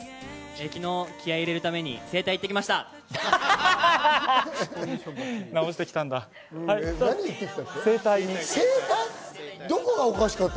昨日、気合いを入れるために整体に行ってきました。